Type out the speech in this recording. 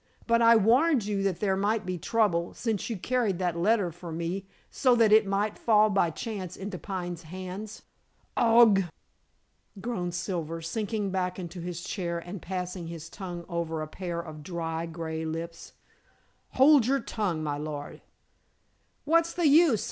"But I warned you that there might be trouble, since you carried that letter for me, so that it might fall by chance into Pine's hands." "Augh!" groaned Silver, sinking back into his chair and passing his tongue over a pair of dry, gray lips. "Hold your tongue, my lord." "What's the use?